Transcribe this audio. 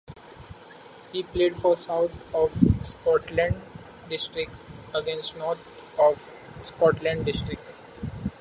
He played for South of Scotland District against North of Scotland District.